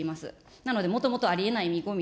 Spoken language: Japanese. なのでもともとありえない見込み。